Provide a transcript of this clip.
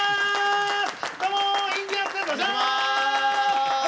どうもインディアンスです！